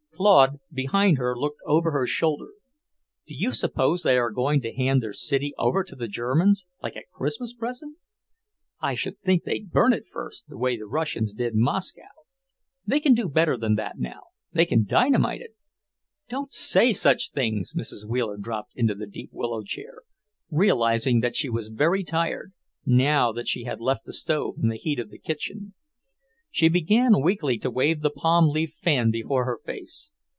Claude, behind her, looked over her shoulder. "Do you suppose they are going to hand their city over to the Germans, like a Christmas present? I should think they'd burn it first, the way the Russians did Moscow. They can do better than that now, they can dynamite it!" "Don't say such things." Mrs. Wheeler dropped into the deep willow chair, realizing that she was very tired, now that she had left the stove and the heat of the kitchen. She began weakly to wave the palm leaf fan before her face.